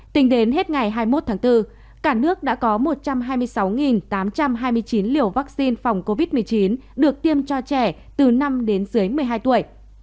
tính đến hết ngày hai mươi một tháng bốn cả nước đã có một trăm hai mươi sáu tám trăm hai mươi chín liều vaccine phòng covid một mươi chín được tiêm cho trẻ từ năm đến dưới một mươi hai tuổi